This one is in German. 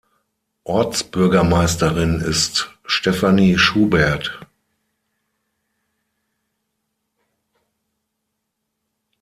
Ortsbürgermeisterin ist Stefanie Schubert.